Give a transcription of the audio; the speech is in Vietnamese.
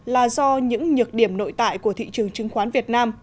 là do những nhược điểm nội tại của thị trường chứng khoán việt nam